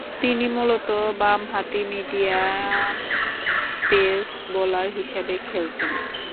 তিনি মূলতঃ বামহাতি মিডিয়াম পেস বোলার হিসেবে খেলতেন।